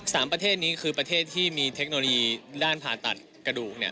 ประเทศนี้คือประเทศที่มีเทคโนโลยีด้านผ่าตัดกระดูกเนี่ย